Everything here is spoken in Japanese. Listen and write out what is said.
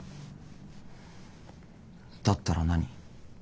だったら何？